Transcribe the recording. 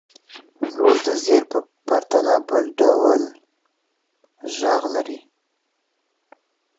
زور د زېر په پرتله بل ډول ږغ لري.